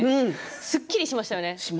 すっきりしましたね。